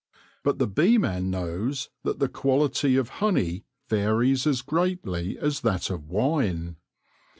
But the beeman knows that the quality of honey varies as greatly as that of wine.